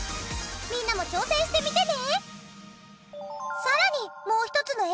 みんなも挑戦してみてね！